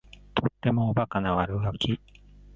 とってもおバカな悪ガキ